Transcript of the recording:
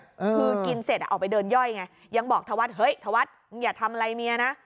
คือกินเสร็จอ่ะออกไปเดินย่อยไงยังบอกธวัดเฮ้ยธวัฒน์มึงอย่าทำอะไรเมียนะ